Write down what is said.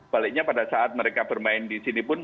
baliknya pada saat mereka bermain di sini pun